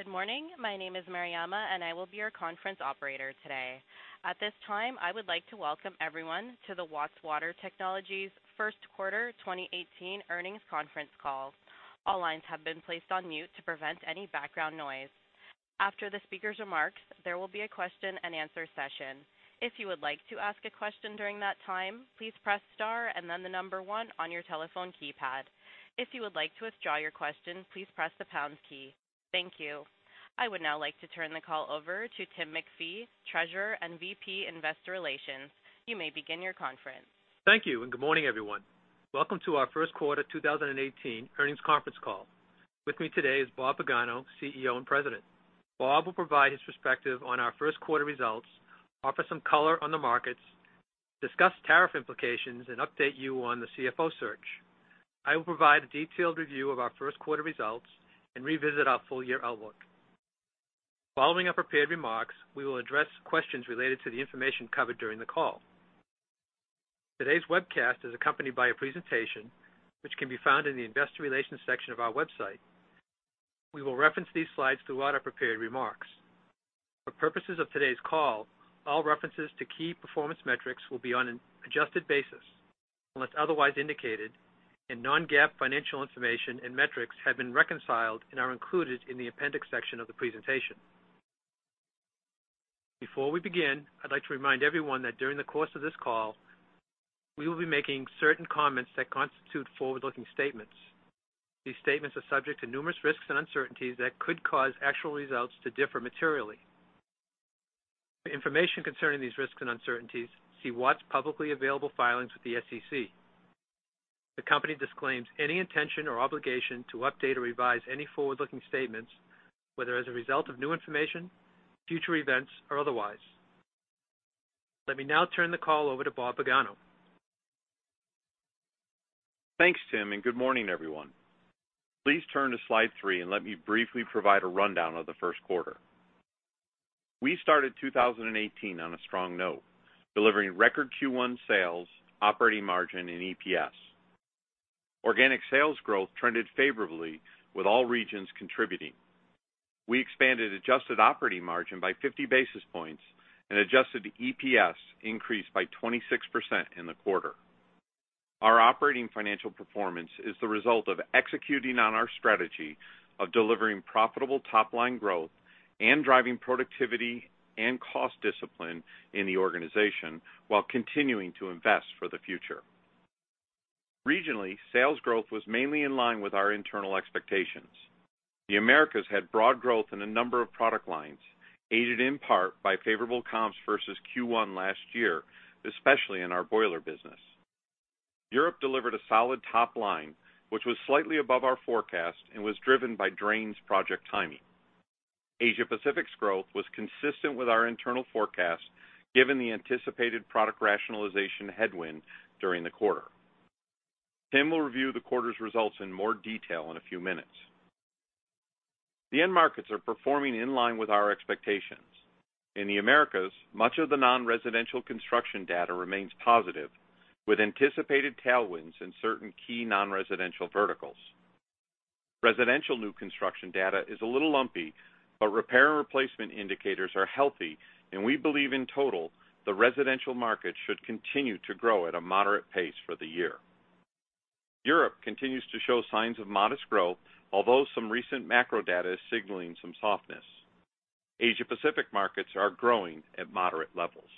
Good morning. My name is Mariama, and I will be your conference operator today. At this time, I would like to welcome everyone to the Watts Water Technologies' first quarter 2018 earnings conference call. All lines have been placed on mute to prevent any background noise. After the speaker's remarks, there will be a question-and-answer session. If you would like to ask a question during that time, please press star and then the number one on your telephone keypad. If you would like to withdraw your question, please press the pound key. Thank you. I would now like to turn the call over to Tim MacPhee, Treasurer and VP Investor Relations. You may begin your conference. Thank you, and good morning, everyone. Welcome to our first quarter 2018 earnings conference call. With me today is Bob Pagano, CEO and President. Bob will provide his perspective on our first quarter results, offer some color on the markets, discuss tariff implications, and update you on the CFO search. I will provide a detailed review of our first quarter results and revisit our full-year outlook. Following our prepared remarks, we will address questions related to the information covered during the call. Today's webcast is accompanied by a presentation which can be found in the investor relations section of our website. We will reference these slides throughout our prepared remarks. For purposes of today's call, all references to key performance metrics will be on an adjusted basis, unless otherwise indicated, and non-GAAP financial information and metrics have been reconciled and are included in the appendix section of the presentation. Before we begin, I'd like to remind everyone that during the course of this call, we will be making certain comments that constitute forward-looking statements. These statements are subject to numerous risks and uncertainties that could cause actual results to differ materially. For information concerning these risks and uncertainties, see Watts' publicly available filings with the SEC. The company disclaims any intention or obligation to update or revise any forward-looking statements, whether as a result of new information, future events, or otherwise. Let me now turn the call over to Bob Pagano. Thanks, Tim, and good morning, everyone. Please turn to slide 3 and let me briefly provide a rundown of the first quarter. We started 2018 on a strong note, delivering record Q1 sales, operating margin, and EPS. Organic sales growth trended favorably with all regions contributing. We expanded adjusted operating margin by 50 basis points and adjusted EPS increased by 26% in the quarter. Our operating financial performance is the result of executing on our strategy of delivering profitable top-line growth and driving productivity and cost discipline in the organization while continuing to invest for the future. Regionally, sales growth was mainly in line with our internal expectations. The Americas had broad growth in a number of product lines, aided in part by favorable comps versus Q1 last year, especially in our boiler business. Europe delivered a solid top line, which was slightly above our forecast and was driven by drains project timing. Asia Pacific's growth was consistent with our internal forecast, given the anticipated product rationalization headwind during the quarter. Tim will review the quarter's results in more detail in a few minutes. The end markets are performing in line with our expectations. In the Americas, much of the non-residential construction data remains positive, with anticipated tailwinds in certain key non-residential verticals. Residential new construction data is a little lumpy, but repair and replacement indicators are healthy, and we believe in total, the residential market should continue to grow at a moderate pace for the year. Europe continues to show signs of modest growth, although some recent macro data is signaling some softness. Asia Pacific markets are growing at moderate levels.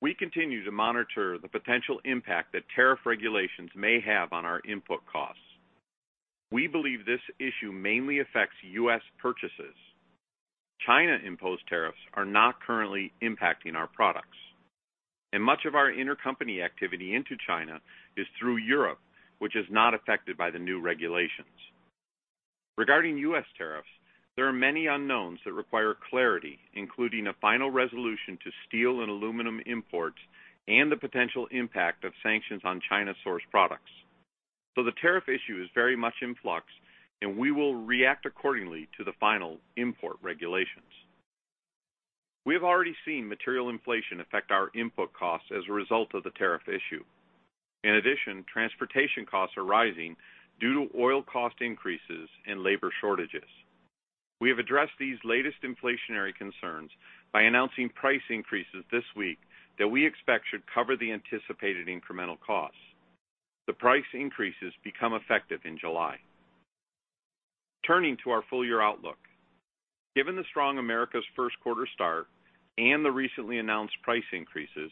We continue to monitor the potential impact that tariff regulations may have on our input costs. We believe this issue mainly affects U.S. purchases. China-imposed tariffs are not currently impacting our products, and much of our intercompany activity into China is through Europe, which is not affected by the new regulations. Regarding U.S. tariffs, there are many unknowns that require clarity, including a final resolution to steel and aluminum imports and the potential impact of sanctions on China-sourced products. So the tariff issue is very much in flux, and we will react accordingly to the final import regulations. We have already seen material inflation affect our input costs as a result of the tariff issue. In addition, transportation costs are rising due to oil cost increases and labor shortages. We have addressed these latest inflationary concerns by announcing price increases this week that we expect should cover the anticipated incremental costs. The price increases become effective in July. Turning to our full-year outlook. Given the strong Americas' first quarter start and the recently announced price increases,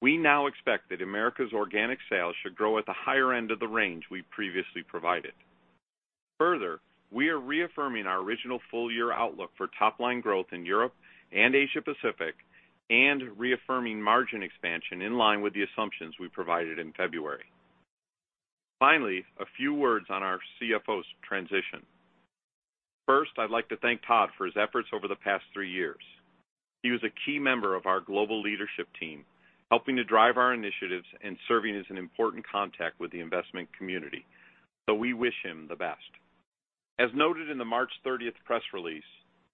we now expect that Americas' organic sales should grow at the higher end of the range we previously provided. Further, we are reaffirming our original full-year outlook for top-line growth in Europe and Asia Pacific and reaffirming margin expansion in line with the assumptions we provided in February. Finally, a few words on our CFO's transition. First, I'd like to thank Todd for his efforts over the past three years. He was a key member of our global leadership team, helping to drive our initiatives and serving as an important contact with the investment community. So we wish him the best. As noted in the March thirtieth press release,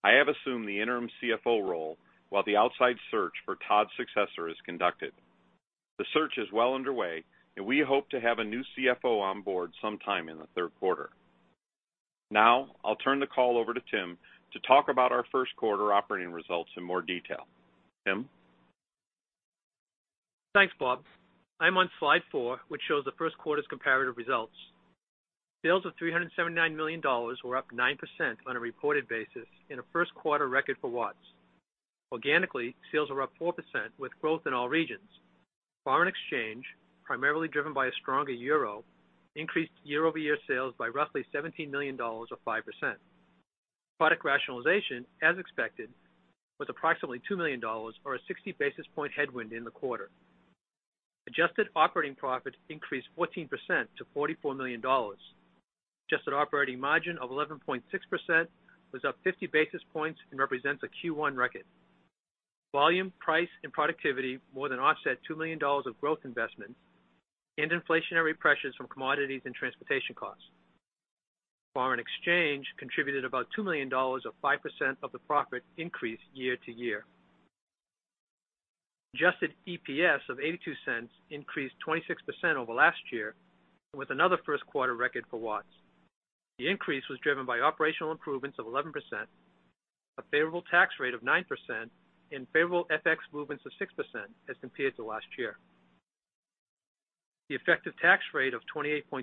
I have assumed the interim CFO role while the outside search for Todd's successor is conducted. The search is well underway, and we hope to have a new CFO on board sometime in the third quarter. Now, I'll turn the call over to Tim to talk about our first quarter operating results in more detail. Tim? Thanks, Bob. I'm on slide 4, which shows the first quarter's comparative results. Sales of $379 million were up 9% on a reported basis, in a first quarter record for Watts. Organically, sales are up 4% with growth in all regions. Foreign exchange, primarily driven by a stronger euro, increased year-over-year sales by roughly $17 million, or 5%. Product rationalization, as expected, was approximately $2 million, or a 60 basis point headwind in the quarter. Adjusted operating profit increased 14% to $44 million. Adjusted operating margin of 11.6% was up 50 basis points and represents a Q1 record. Volume, price, and productivity more than offset $2 million of growth investments and inflationary pressures from commodities and transportation costs. Foreign exchange contributed about $2 million, or 5% of the profit increase year-to-year. Adjusted EPS of $0.82 increased 26% over last year, with another first quarter record for Watts. The increase was driven by operational improvements of 11%, a favorable tax rate of 9%, and favorable FX movements of 6% as compared to last year. The effective tax rate of 28.2%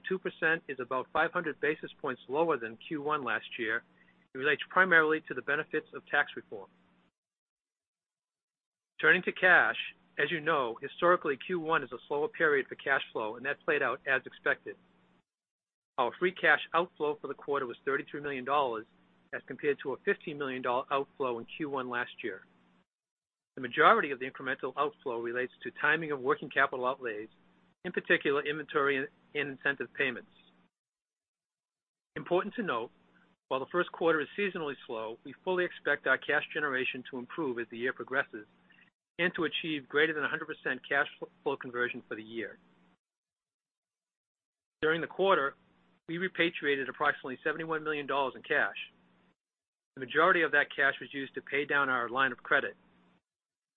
is about 500 basis points lower than Q1 last year, and relates primarily to the benefits of tax reform. Turning to cash, as you know, historically, Q1 is a slower period for cash flow, and that played out as expected. Our free cash outflow for the quarter was $33 million as compared to a $15 million outflow in Q1 last year. The majority of the incremental outflow relates to timing of working capital outlays, in particular, inventory and incentive payments. Important to note, while the first quarter is seasonally slow, we fully expect our cash generation to improve as the year progresses and to achieve greater than 100% cash flow conversion for the year. During the quarter, we repatriated approximately $71 million in cash. The majority of that cash was used to pay down our line of credit.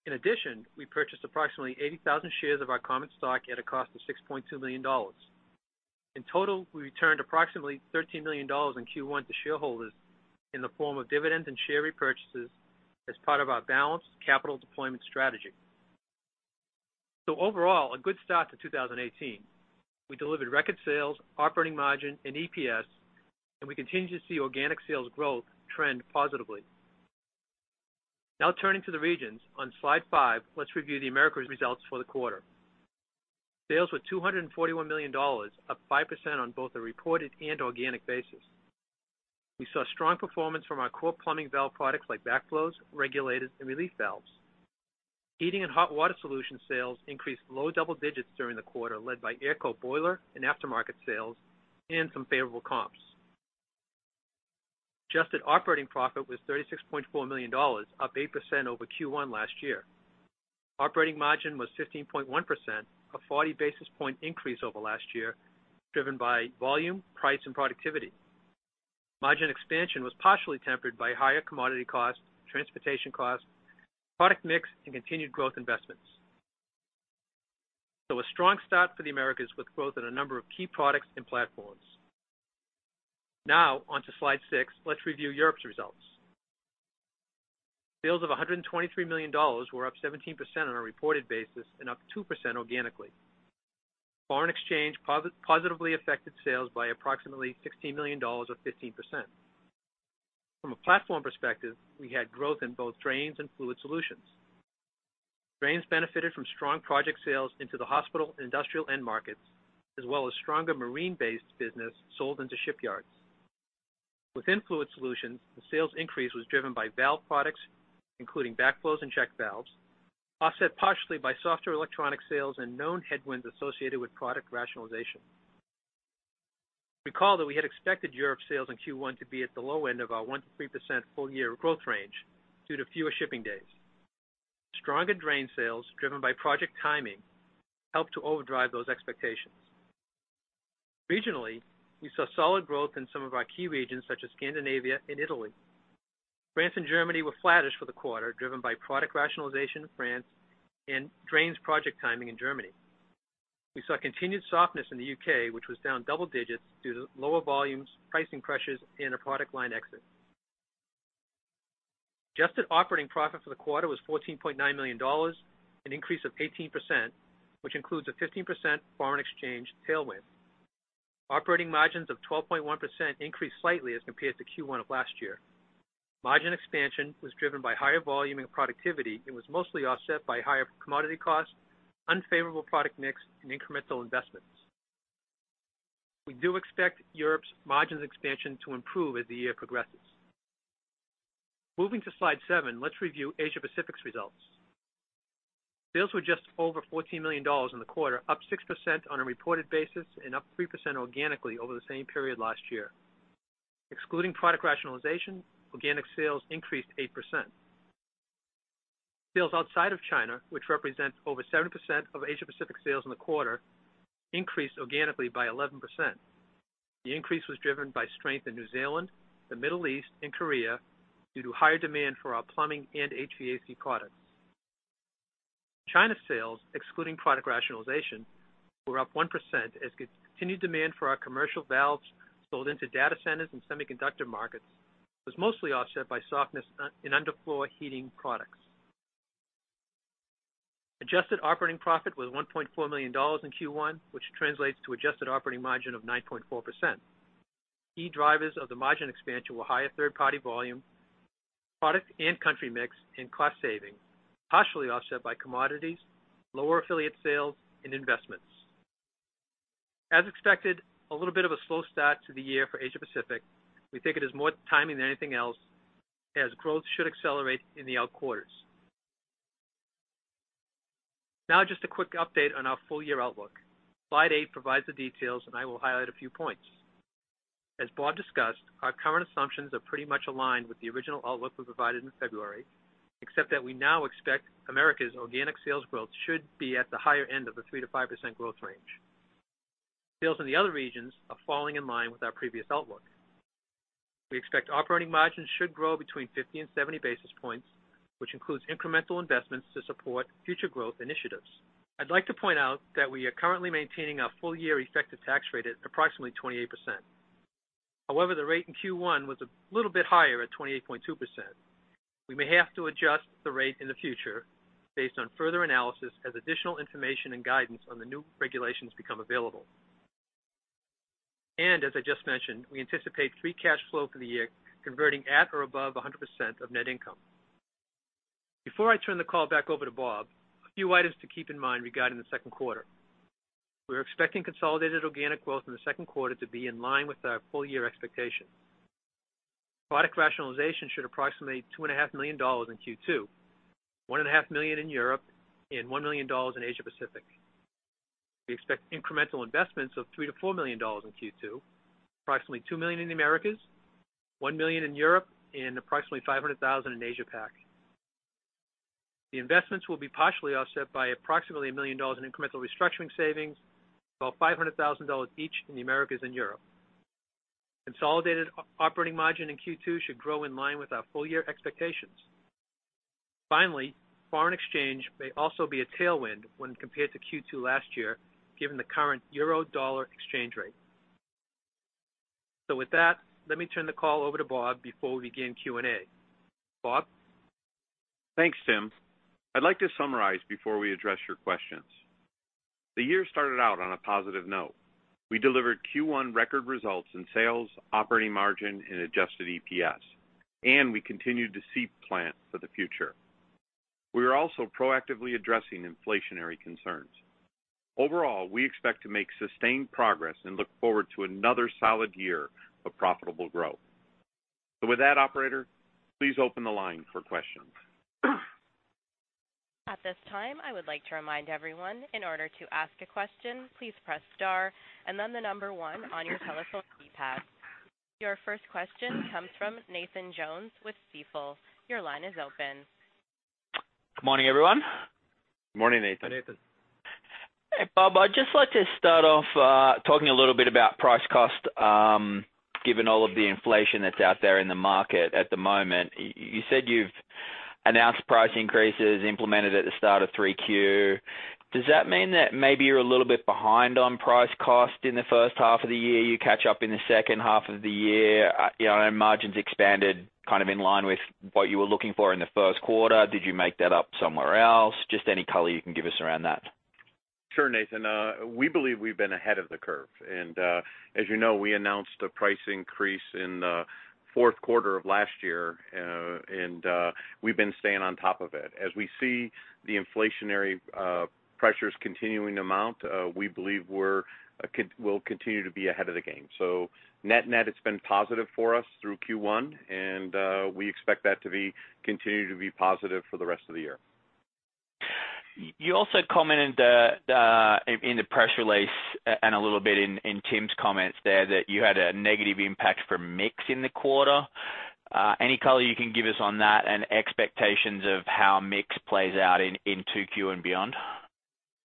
In addition, we purchased approximately 80,000 shares of our common stock at a cost of $6.2 million. In total, we returned approximately $13 million in Q1 to shareholders in the form of dividends and share repurchases as part of our balanced capital deployment strategy. So overall, a good start to 2018. We delivered record sales, operating margin, and EPS, and we continue to see organic sales growth trend positively. Now turning to the regions. On slide 5, let's review the Americas results for the quarter. Sales were $241 million, up 5% on both a reported and organic basis. We saw strong performance from our core plumbing valve products like backflows, regulators, and relief valves. Heating and hot water solution sales increased low double digits during the quarter, led by AERCO boiler and aftermarket sales and some favorable comps. Adjusted operating profit was $36.4 million, up 8% over Q1 last year. Operating margin was 15.1%, a 40 basis point increase over last year, driven by volume, price, and productivity. Margin expansion was partially tempered by higher commodity costs, transportation costs, product mix, and continued growth investments. So a strong start for the Americas, with growth in a number of key products and platforms. Now on to slide 6. Let's review Europe's results. Sales of $123 million were up 17% on a reported basis and up 2% organically. Foreign exchange positively affected sales by approximately $16 million, or 15%. From a platform perspective, we had growth in both drains and fluid solutions. Drains benefited from strong project sales into the hospital and industrial end markets, as well as stronger marine-based business sold into shipyards. Within fluid solutions, the sales increase was driven by valve products, including backflows and check valves, offset partially by softer electronic sales and known headwinds associated with product rationalization. Recall that we had expected Europe sales in Q1 to be at the low end of our 1%-3% full year growth range due to fewer shipping days. Stronger drain sales, driven by project timing, helped to overdrive those expectations. Regionally, we saw solid growth in some of our key regions, such as Scandinavia and Italy. France and Germany were flattish for the quarter, driven by product rationalization in France and drains project timing in Germany. We saw continued softness in the U.K., which was down double digits due to lower volumes, pricing pressures, and a product line exit. Adjusted operating profit for the quarter was $14.9 million, an increase of 18%, which includes a 15% foreign exchange tailwind. Operating margins of 12.1% increased slightly as compared to Q1 of last year. Margin expansion was driven by higher volume and productivity, and was mostly offset by higher commodity costs, unfavorable product mix, and incremental investments. We do expect Europe's margins expansion to improve as the year progresses. Moving to slide 7, let's review Asia Pacific's results. Sales were just over $14 million in the quarter, up 6% on a reported basis and up 3% organically over the same period last year. Excluding product rationalization, organic sales increased 8%. Sales outside of China, which represent over 70% of Asia Pacific sales in the quarter, increased organically by 11%. The increase was driven by strength in New Zealand, the Middle East and Korea, due to higher demand for our plumbing and HVAC products. China sales, excluding product rationalization, were up 1% as continued demand for our commercial valves sold into data centers and semiconductor markets was mostly offset by softness in underfloor heating products. Adjusted operating profit was $1.4 million in Q1, which translates to adjusted operating margin of 9.4%. Key drivers of the margin expansion were higher third-party volume, product and country mix, and cost saving, partially offset by commodities, lower affiliate sales and investments. As expected, a little bit of a slow start to the year for Asia Pacific. We think it is more timing than anything else, as growth should accelerate in the out quarters. Now just a quick update on our full year outlook. Slide 8 provides the details, and I will highlight a few points. As Bob discussed, our current assumptions are pretty much aligned with the original outlook we provided in February, except that we now expect America's organic sales growth should be at the higher end of the 3%-5% growth range. Sales in the other regions are falling in line with our previous outlook. We expect operating margins should grow between 50 and 70 basis points, which includes incremental investments to support future growth initiatives. I'd like to point out that we are currently maintaining our full year effective tax rate at approximately 28%. However, the rate in Q1 was a little bit higher at 28.2%. We may have to adjust the rate in the future based on further analysis, as additional information and guidance on the new regulations become available. And as I just mentioned, we anticipate free cash flow for the year, converting at or above 100% of net income. Before I turn the call back over to Bob, a few items to keep in mind regarding the second quarter. We're expecting consolidated organic growth in the second quarter to be in line with our full year expectations. Product rationalization should approximate $2.5 million in Q2, $1.5 million in Europe, and $1 million in Asia Pacific. We expect incremental investments of $3 million-$4 million in Q2, approximately $2 million in the Americas, $1 million in Europe, and approximately $500,000 in Asia Pac. The investments will be partially offset by approximately $1 million in incremental restructuring savings, about $500,000 each in the Americas and Europe. Consolidated operating margin in Q2 should grow in line with our full year expectations. Finally, foreign exchange may also be a tailwind when compared to Q2 last year, given the current euro/dollar exchange rate. So with that, let me turn the call over to Bob before we begin Q&A. Bob? Thanks, Tim. I'd like to summarize before we address your questions. The year started out on a positive note. We delivered Q1 record results in sales, operating margin and adjusted EPS, and we continued to seed plant for the future. We are also proactively addressing inflationary concerns. Overall, we expect to make sustained progress and look forward to another solid year of profitable growth. So with that, operator, please open the line for questions. At this time, I would like to remind everyone, in order to ask a question, please press star and then the number one on your telephone keypad. Your first question comes from Nathan Jones with Stifel. Your line is open. Good morning, everyone. Good morning, Nathan. Hi, Nathan. Hey, Bob, I'd just like to start off, talking a little bit about price cost, given all of the inflation that's out there in the market at the moment. You said you've announced price increases implemented at the start of 3Q. Does that mean that maybe you're a little bit behind on price cost in the first half of the year, you catch up in the second half of the year? You know, and margins expanded kind of in line with what you were looking for in the first quarter. Did you make that up somewhere else? Just any color you can give us around that. Sure, Nathan. We believe we've been ahead of the curve, and, as you know, we announced a price increase in the fourth quarter of last year, and we've been staying on top of it. As we see the inflationary pressures continuing to mount, we believe we will continue to be ahead of the game. So net-net, it's been positive for us through Q1, and we expect that to continue to be positive for the rest of the year. You also commented in the press release and a little bit in Tim's comments there, that you had a negative impact from mix in the quarter. Any color you can give us on that and expectations of how mix plays out in 2Q and beyond?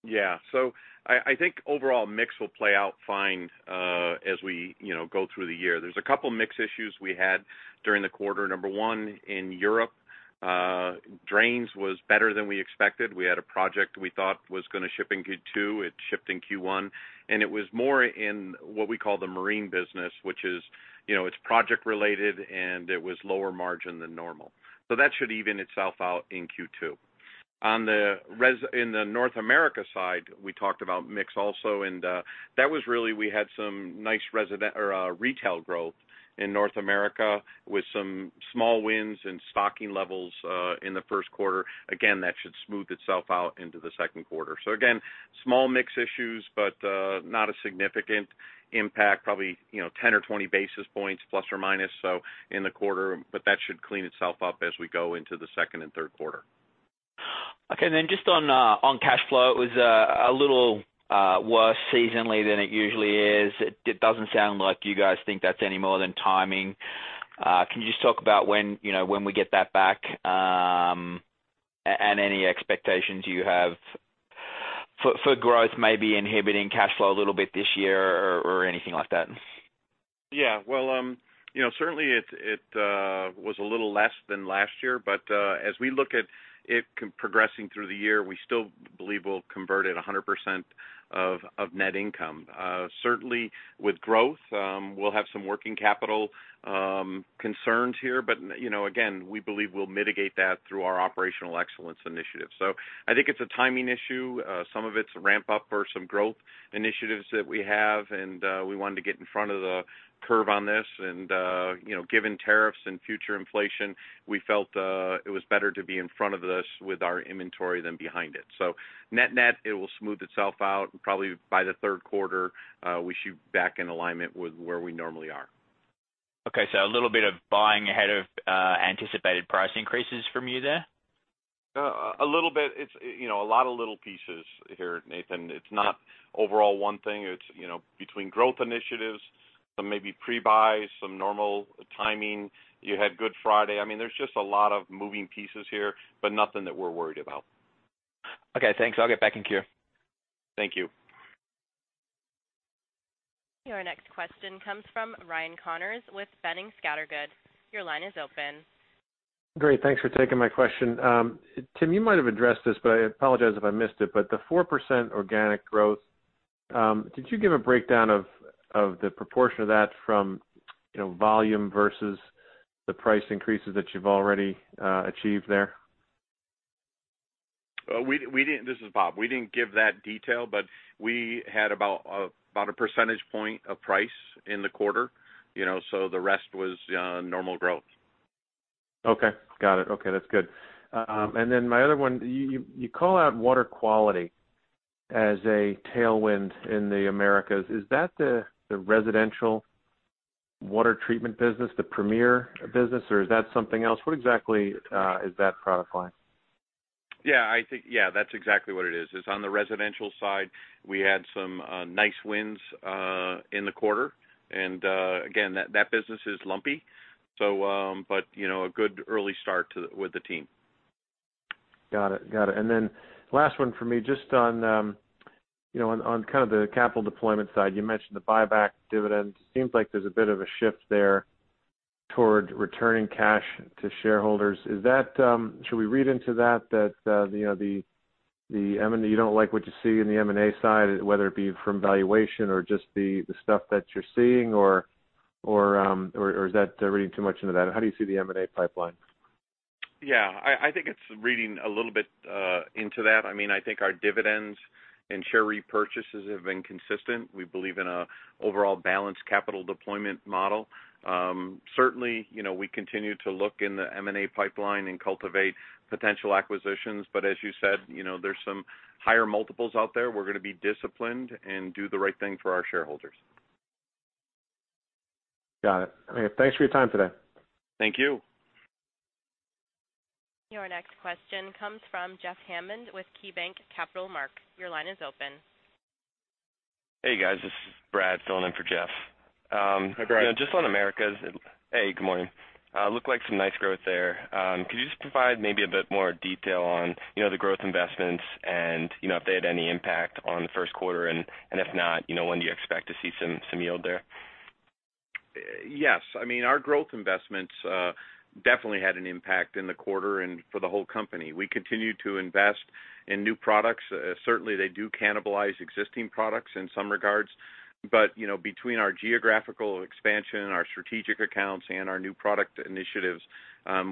Yeah. So I think overall mix will play out fine, as we, you know, go through the year. There's a couple mix issues we had during the quarter. Number one, in Europe, drains was better than we expected. We had a project we thought was gonna ship in Q2, it shipped in Q1, and it was more in what we call the marine business, which is, you know, it's project related, and it was lower margin than normal. So that should even itself out in Q2. On the residential side in the North America side, we talked about mix also, and that was really, we had some nice retail growth in North America with some small wins and stocking levels in the first quarter. Again, that should smooth itself out into the second quarter. So again, small mix issues, but not a significant impact, probably, you know, 10 or 20 basis points, plus or minus, so in the quarter, but that should clean itself up as we go into the second and third quarter. Okay. Then just on cash flow, it was a little worse seasonally than it usually is. It doesn't sound like you guys think that's any more than timing. Can you just talk about when, you know, when we get that back, and any expectations you have? For growth maybe inhibiting cash flow a little bit this year or anything like that? Yeah. Well, you know, certainly it was a little less than last year, but, as we look at it progressing through the year, we still believe we'll convert it 100% of net income. Certainly with growth, we'll have some working capital concerns here, but, you know, again, we believe we'll mitigate that through our operational excellence initiative. So I think it's a timing issue. Some of it's a ramp up for some growth initiatives that we have, and, we wanted to get in front of the curve on this. And, you know, given tariffs and future inflation, we felt, it was better to be in front of this with our inventory than behind it. Net-net, it will smooth itself out, probably by the third quarter, we should be back in alignment with where we normally are. Okay, so a little bit of buying ahead of anticipated price increases from you there? A little bit. It's, you know, a lot of little pieces here, Nathan. It's not overall one thing. It's, you know, between growth initiatives, some maybe pre-buy, some normal timing. You had Good Friday. I mean, there's just a lot of moving pieces here, but nothing that we're worried about. Okay, thanks. I'll get back in queue. Thank you. Your next question comes from Ryan Connors with Boenning & Scattergood. Your line is open. Great, thanks for taking my question. Tim, you might have addressed this, but I apologize if I missed it, but the 4% organic growth, did you give a breakdown of, of the proportion of that from, you know, volume versus the price increases that you've already achieved there? This is Bob. We didn't give that detail, but we had about a percentage point of price in the quarter, you know, so the rest was normal growth. Okay. Got it. Okay, that's good. And then my other one, you call out water quality as a tailwind in the Americas. Is that the residential water treatment business, the Premier business, or is that something else? What exactly is that product line? Yeah, I think, yeah, that's exactly what it is. It's on the residential side. We had some nice wins in the quarter, and again, that business is lumpy. So, but, you know, a good early start to the—with the team. Got it. Got it. And then last one for me, just on, you know, on kind of the capital deployment side, you mentioned the buyback dividend. Seems like there's a bit of a shift there toward returning cash to shareholders. Is that... Should we read into that, that, you know, the M&A, you don't like what you see in the M&A side, whether it be from valuation or just the stuff that you're seeing, or is that reading too much into that? How do you see the M&A pipeline? Yeah, I, I think it's reading a little bit into that. I mean, I think our dividends and share repurchases have been consistent. We believe in an overall balanced capital deployment model. Certainly, you know, we continue to look in the M&A pipeline and cultivate potential acquisitions, but as you said, you know, there's some higher multiples out there. We're gonna be disciplined and do the right thing for our shareholders. Got it. Thanks for your time today. Thank you. Your next question comes from Jeff Hammond with KeyBanc Capital Markets. Your line is open. Hey, guys, this is Brad filling in for Jeff. Hi, Brad. Just on Americas... Hey, good morning. Looked like some nice growth there. Could you just provide maybe a bit more detail on, you know, the growth investments and, you know, if they had any impact on the first quarter, and if not, you know, when do you expect to see some yield there? Yes. I mean, our growth investments definitely had an impact in the quarter and for the whole company. We continue to invest in new products. Certainly, they do cannibalize existing products in some regards, but, you know, between our geographical expansion, our strategic accounts, and our new product initiatives,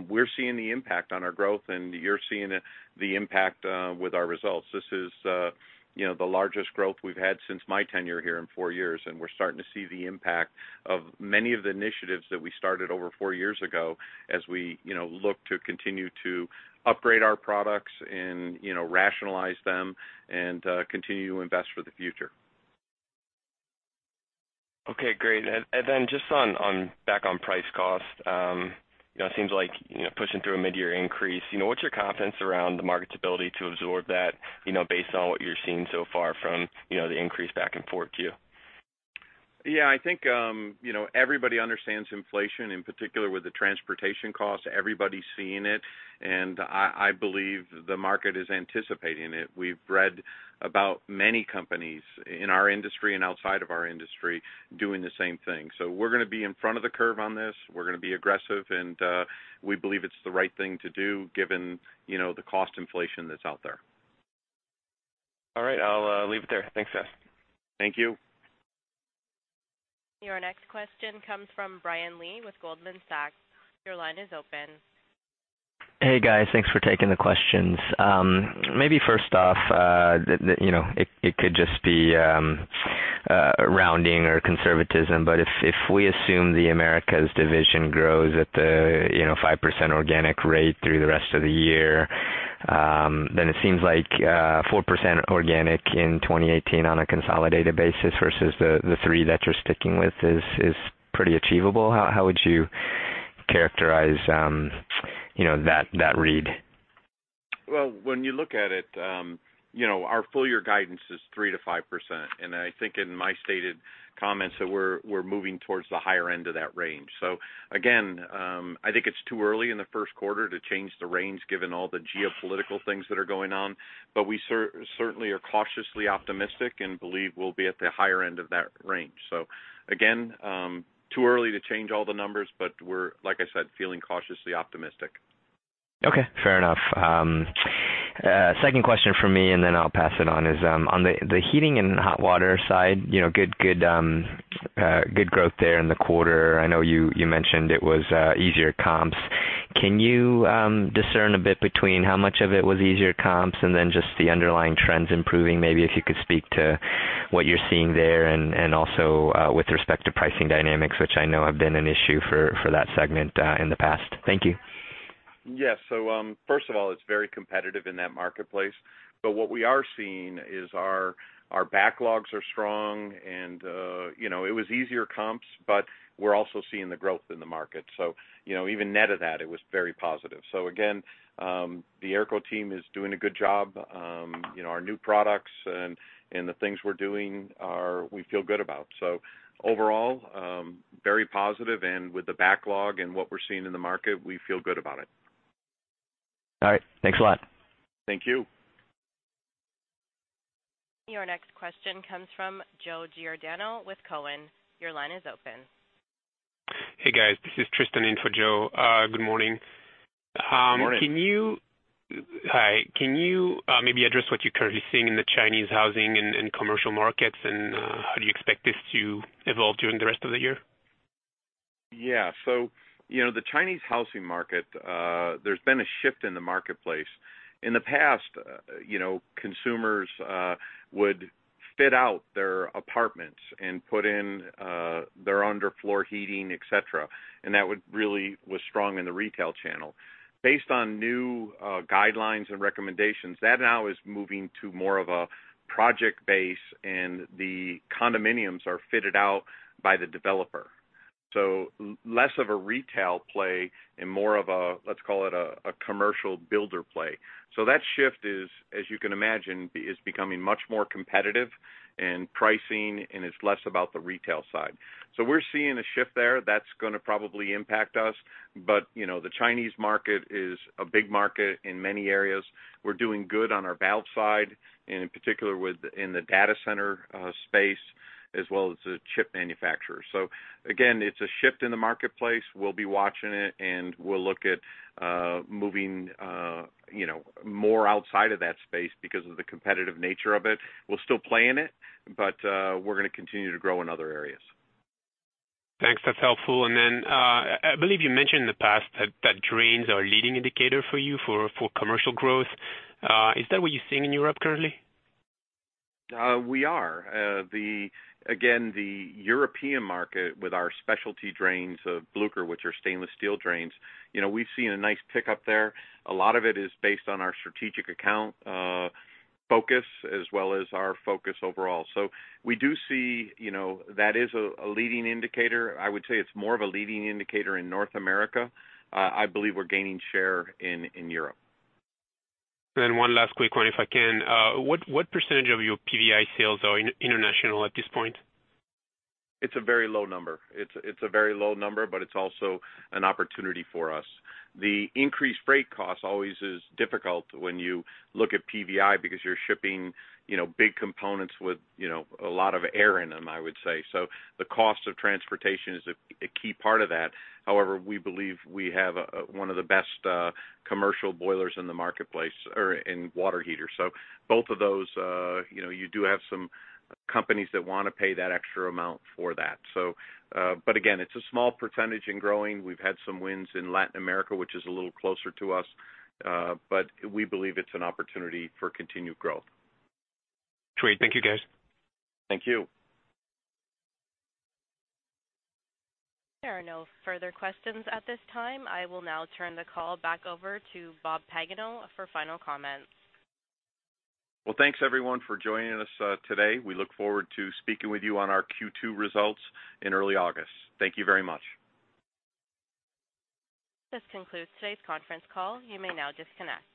we're seeing the impact on our growth, and you're seeing the impact with our results. This is, you know, the largest growth we've had since my tenure here in four years, and we're starting to see the impact of many of the initiatives that we started over four years ago, as we, you know, look to continue to upgrade our products and, you know, rationalize them and continue to invest for the future. Okay, great. And then just on back on price cost, you know, it seems like, you know, pushing through a mid-year increase, you know, what's your confidence around the market's ability to absorb that, you know, based on what you're seeing so far from, you know, the increase back and forth to you? Yeah, I think, you know, everybody understands inflation, in particular with the transportation costs. Everybody's seeing it, and I believe the market is anticipating it. We've read about many companies in our industry and outside of our industry doing the same thing. So we're gonna be in front of the curve on this. We're gonna be aggressive, and we believe it's the right thing to do, given, you know, the cost inflation that's out there. All right. I'll leave it there. Thanks, guys. Thank you. Your next question comes from Brian Lee with Goldman Sachs. Your line is open. Hey, guys, thanks for taking the questions. Maybe first off, you know, it could just be rounding or conservatism, but if we assume the Americas division grows at the, you know, 5% organic rate through the rest of the year, then it seems like 4% organic in 2018 on a consolidated basis versus the 3% that you're sticking with is pretty achievable. How would you characterize, you know, that read? ...Well, when you look at it, you know, our full year guidance is 3%-5%, and I think in my stated comments that we're, we're moving towards the higher end of that range. So again, I think it's too early in the first quarter to change the range, given all the geopolitical things that are going on, but we certainly are cautiously optimistic and believe we'll be at the higher end of that range. So again, too early to change all the numbers, but we're, like I said, feeling cautiously optimistic. Okay, fair enough. Second question from me, and then I'll pass it on, is on the heating and hot water side, you know, good growth there in the quarter. I know you mentioned it was easier comps. Can you discern a bit between how much of it was easier comps and then just the underlying trends improving? Maybe if you could speak to what you're seeing there, and also with respect to pricing dynamics, which I know have been an issue for that segment in the past. Thank you. Yes. So, first of all, it's very competitive in that marketplace. But what we are seeing is our, our backlogs are strong and, you know, it was easier comps, but we're also seeing the growth in the market. So, you know, even net of that, it was very positive. So again, the Aerco team is doing a good job. You know, our new products and, and the things we're doing are. We feel good about. So overall, very positive, and with the backlog and what we're seeing in the market, we feel good about it. All right, thanks a lot. Thank you. Your next question comes from Joe Giordano with Cowen. Your line is open. Hey, guys. This is Tristan in for Joe. Good morning. Good morning. Hi, can you maybe address what you're currently seeing in the Chinese housing and commercial markets? And how do you expect this to evolve during the rest of the year? Yeah. So, you know, the Chinese housing market, there's been a shift in the marketplace. In the past, you know, consumers would fit out their apartments and put in their underfloor heating, et cetera, and that would really was strong in the retail channel. Based on new guidelines and recommendations, that now is moving to more of a project base, and the condominiums are fitted out by the developer. So less of a retail play and more of a, let's call it a commercial builder play. So that shift is, as you can imagine, is becoming much more competitive in pricing, and it's less about the retail side. So we're seeing a shift there that's gonna probably impact us. But, you know, the Chinese market is a big market in many areas. We're doing good on our valve side, and in particular within the data center space, as well as the chip manufacturers. So again, it's a shift in the marketplace. We'll be watching it, and we'll look at moving, you know, more outside of that space because of the competitive nature of it. We'll still play in it, but we're gonna continue to grow in other areas. Thanks. That's helpful. And then, I believe you mentioned in the past that drains are a leading indicator for you for commercial growth. Is that what you're seeing in Europe currently? Again, the European market with our specialty drains of Blücher, which are stainless steel drains, you know, we've seen a nice pickup there. A lot of it is based on our strategic account focus, as well as our focus overall. So we do see, you know, that is a leading indicator. I would say it's more of a leading indicator in North America. I believe we're gaining share in Europe. Then one last quick one, if I can. What percentage of your PVI sales are in international at this point? It's a very low number. It's a very low number, but it's also an opportunity for us. The increased freight cost always is difficult when you look at PVI because you're shipping, you know, big components with, you know, a lot of air in them, I would say. So the cost of transportation is a key part of that. However, we believe we have one of the best commercial boilers in the marketplace or in water heaters. So both of those, you know, you do have some companies that wanna pay that extra amount for that. So, but again, it's a small percentage and growing. We've had some wins in Latin America, which is a little closer to us, but we believe it's an opportunity for continued growth. Great. Thank you, guys. Thank you. There are no further questions at this time. I will now turn the call back over to Bob Pagano for final comments. Well, thanks, everyone, for joining us, today. We look forward to speaking with you on our Q2 results in early August. Thank you very much. This concludes today's conference call. You may now disconnect.